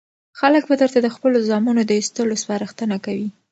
خلک به درته د خپلو زامنو د ایستلو سپارښتنه کوي.